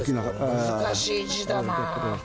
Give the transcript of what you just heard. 難しい字だな。